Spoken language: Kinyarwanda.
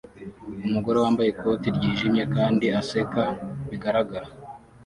Umugore wambaye ikoti ryijimye kandi aseka bigaragara